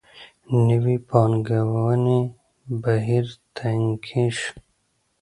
نوې پانګونې بهیر ټکنی شو.